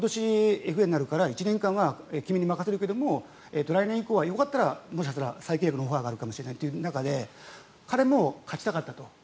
今年ＦＡになるから１年間は君に任せるけど来年以降は、よかったらもしかしたら再契約のオファーが来るかもしれないという中で彼も勝ちたかったと。